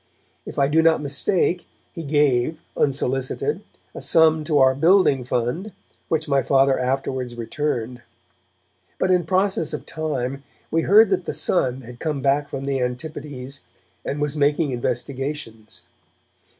If I do not mistake, he gave, unsolicited, a sum to our building fund, which my Father afterwards returned. But in process of time we heard that the son had come back from the Antipodes, and was making investigations.